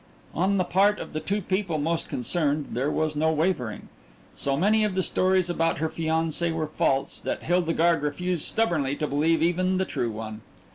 On the part of the two people most concerned there was no wavering. So many of the stories about her fiancé were false that Hildegarde refused stubbornly to believe even the true one.